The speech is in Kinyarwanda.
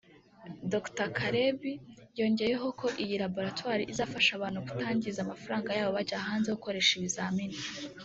Dr Kalebi yongeyeho ko iyi laboratoire izafasha abantu kutangiza amafaranga yabo bajya hanze gukoresha ibizami